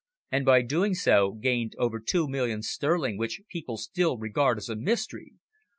"And by doing so gained over two millions sterling which people still regard as a mystery.